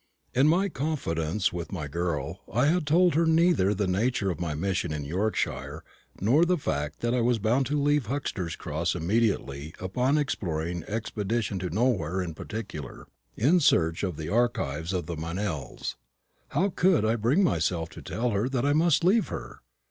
In my confidences with my dear girl I had told her neither the nature of my mission in Yorkshire, nor the fact that I was bound to leave Huxter's Cross immediately upon an exploring expedition to nowhere in particular, in search of the archives of the Meynells. How could I bring myself to tell her that I must leave her?